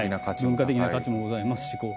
文化的な価値もございますし。